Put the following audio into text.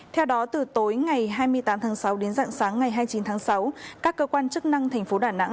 theo đó từ tối ngày hai mươi tám tháng sáu đến dặn sáng ngày hai mươi chín tháng sáu các cơ quan chức năng tp đà nẵng